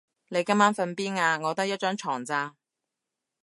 你今晚瞓邊啊？我得一張床咋